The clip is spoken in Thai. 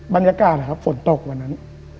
บรรยากาศนะครับฝนตกวันนั้น